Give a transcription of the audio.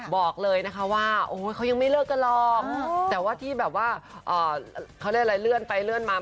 บอกเลยนะคะว่าเขายังไม่เลิกกันหรอกแต่ว่าที่แบบว่าเขาเรียกอะไรเลื่อนไปเลื่อนมา